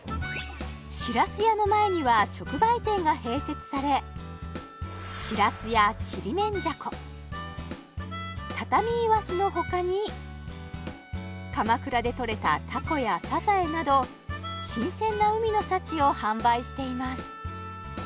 しらすやの前には直売店が併設されしらすやちりめんじゃこたたみいわしの他に鎌倉でとれたタコやサザエなど新鮮な海の幸を販売しています